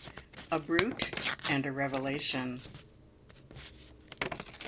A BRUTE AND A REVELATION.